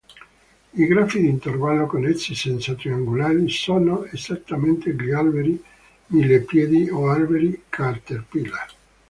I grafi d'intervallo connessi senza triangoli sono esattamente gli alberi millepiedi o alberi "caterpillar".